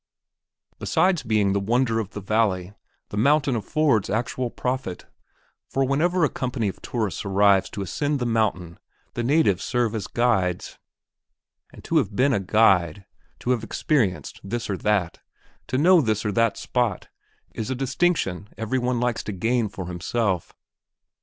Besides being the wonder of the valley, the mountain affords actual profit; for whenever a company of tourists arrives to ascend the mountain the natives serve as guides; and to have been a guide, to have experienced this or that, to know this or that spot, is a distinction every one likes to gain for himself.